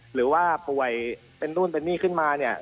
หรือว่าป่วยเป็นนู่นเป็นนี่ขึ้นมาเนี่ย